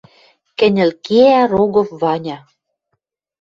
Кӹньӹл кеӓ Рогов Ваня